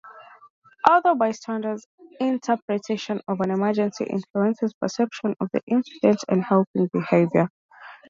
Other bystanders' interpretation of an emergency influences perception of the incident and helping behavior.